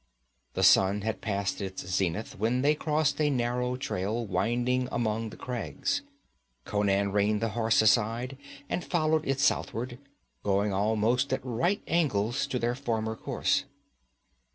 The sun had passed its zenith when they crossed a narrow trail winding among the crags. Conan reined the horse aside and followed it southward, going almost at right angles to their former course.